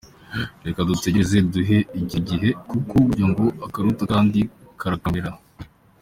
Reka dutegereze, duhe igihe igihe, kuko burya ngo «akaruta akandi, karakamira».